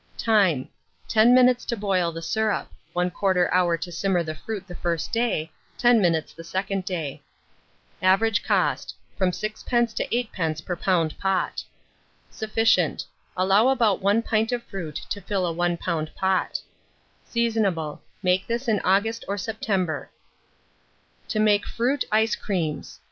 Time. 10 minutes to boil the syrup; 1/4 hour to simmer the fruit the first day, 10 minutes the second day. Average cost, from 6d. to 8d. per lb. pot. Sufficient. Allow about 1 pint of fruit to fill a 1 lb. pot. Seasonable. Make this in August or September. TO MAKE FRUIT ICE CREAMS.